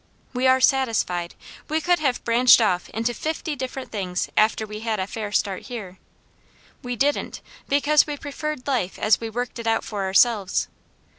We are satisfied. We could have branched off into fifty different things after we had a fair start here. We didn't, because we preferred life as we worked it out for ourselves.